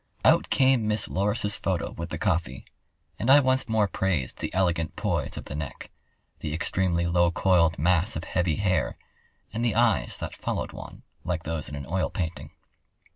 Out came Miss Loris's photo with the coffee, and I once more praised the elegant poise of the neck, the extremely low coiled mass of heavy hair, and the eyes that followed one, like those in an oil painting.